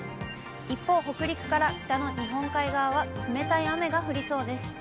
一方、北陸から北の日本海側は、冷たい雨が降りそうです。